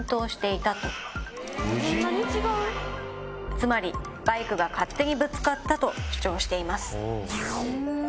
つまりバイクが勝手にぶつかったと主張しています。